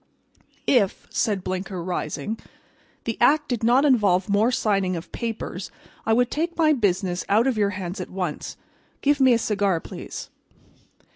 "If," said Blinker, rising, "the act did not involve more signing of papers I would take my business out of your hands at once. Give me a cigar, please."